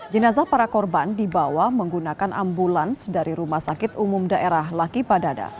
jenazah para korban dibawa menggunakan ambulans dari rumah sakit umum daerah lakipadada